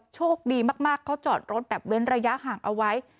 โชคดีมากเขาจอดรถแบบเว้นระยะห่างเอาไว้